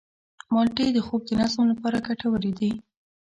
مالټې د خوب د نظم لپاره ګټورې دي.